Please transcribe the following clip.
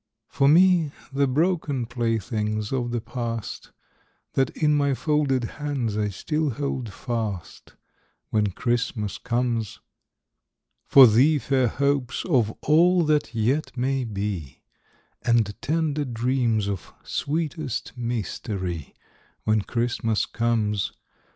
For me, the broken playthings of the past That in my folded hands I still hold fast, When Christmas comes. For thee, fair hopes of all that yet may be, And tender dreams of sweetest mystery, When Christmas comes.